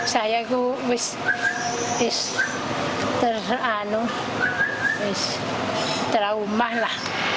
saya juga terlalu mahal